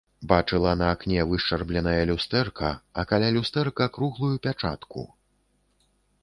Бачыла на акне вышчарбленае люстэрка, а каля люстэрка круглую пячатку.